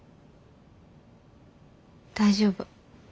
大丈夫。